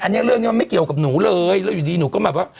อันนี้เรื่องนี้มันไม่เกี่ยวกับหนูเลยแล้วอยู่ดีหนูก็แบบว่า